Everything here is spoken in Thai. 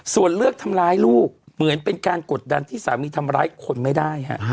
ส่วนเลือกทำร้ายลูกเหมือนเป็นการกดดันที่สามีทำร้ายคนไม่ได้